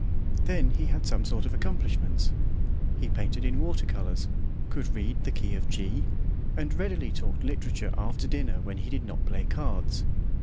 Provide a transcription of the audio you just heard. Then he had some accomplishments; he painted in water colours, could read the key of G, and readily talked literature after dinner when he did not play cards.